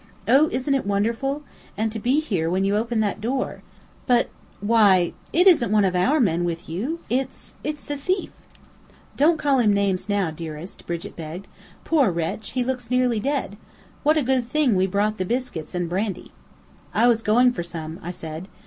Oh, isn't it wonderful? And to be here when you open that door! But why, it isn't one of our men with you. It's it's the thief!" "Don't call him names now, dearest," Brigit begged. "Poor wretch! He looks nearly dead. What a good thing we brought the biscuits and brandy." "I was going for some," I said.